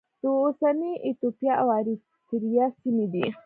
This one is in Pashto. د اوسنۍ ایتوپیا او اریتریا سیمې دي.